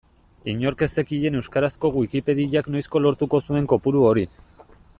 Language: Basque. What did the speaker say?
Inork ez zekien euskarazko Wikipediak noizko lortuko zuen kopuru hori.